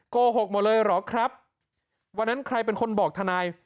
โกหกหมดเลยเหรอครับวันนั้นใครเป็นคนบอกทนาย